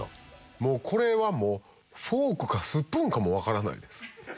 これはフォークかスプーンかも分からないです。